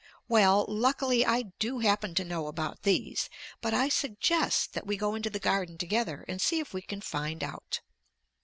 Well, luckily, I do happen to know about these, but I suggest that we go into the garden together and see if we can find out.